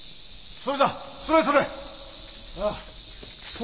それそれ。